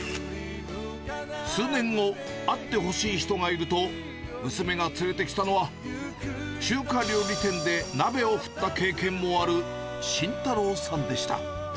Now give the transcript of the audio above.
数年後、会ってほしい人がいると、娘が連れてきたのは、中華料理店で鍋を振った経験もある、慎太郎さんでした。